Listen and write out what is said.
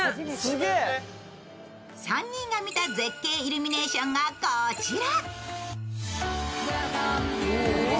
へぇ３人が見た絶景イルミネーションがこちら。